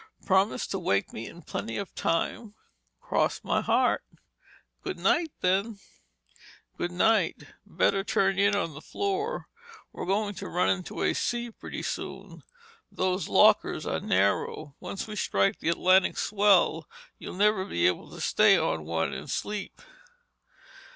"Promise to wake me in plenty of time?" "Cross my heart——" "Good night, then." "Good night. Better turn in on the floor. We're going to run into a sea pretty soon. Those lockers are narrow. Once we strike the Atlantic swell you'll never be able to stay on one and sleep!"